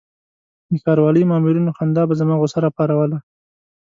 د ښاروالۍ مامورینو خندا به زما غوسه راپاروله.